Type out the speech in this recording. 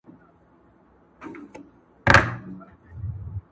د کوترو د چوغکو فریادونه٫